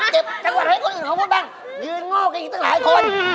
เจ็บจังหวัดให้คนอื่นของพวกแบงค์ลื้นโง่กกับอีกตั้งหลายคน